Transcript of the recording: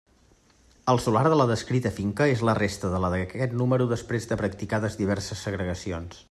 El solar de la descrita finca és la resta de la d'aquest número després de practicades diverses segregacions.